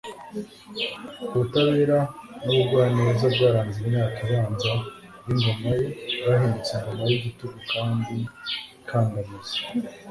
ubutabera n'ubugwaneza bwaranze imyaka ibanza y'ingoma ye bwahindutse ingoma y'igitugu kandi ikandamiza